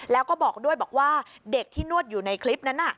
แล้วก็บอกด้วยบอกว่าเด็กที่นวดอยู่ในคลิปนั้น